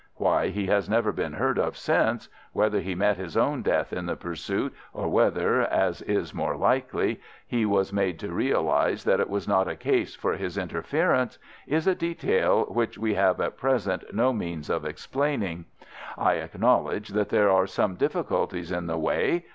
Why he has never been heard of since—whether he met his own death in the pursuit, or whether, as is more likely, he was made to realize that it was not a case for his interference—is a detail which we have at present no means of explaining. I acknowledge that there are some difficulties in the way.